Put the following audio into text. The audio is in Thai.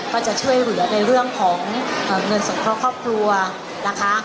ก็จะช่วยเหลือในเรื่องของเงินสงเคราะห์ครอบครัวนะคะ